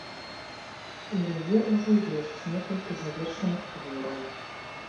У яе ўжо ёсць некалькі завершаных твораў.